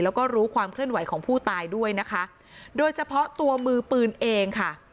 แล้วก็รู้ความเคลื่อนไหวของผู้ตายด้วยนะคะโดยเฉพาะตัวมือปืนเองค่ะ